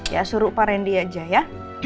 ya suruh pak randy aja ya